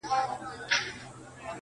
چا پوښتنه ورنه وكړله نادانه٫